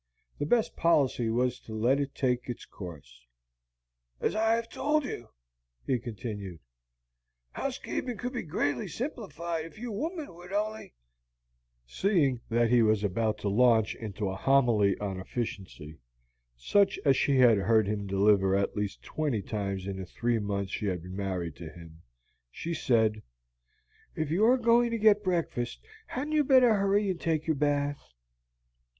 The best policy was to let it take its course. "As I have often told you," he continued, "housekeeping could be greatly simplified if you women would only " Seeing that he was about to launch into a homily on efficiency, such as she had heard him deliver at least twenty times in the three months she had been married to him, she said: "If you're going to get breakfast, hadn't you better hurry and take your bath?"